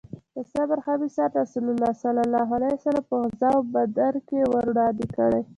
د صبر ښه مثال رسول الله ص په غزوه بدر کې وړاندې کړی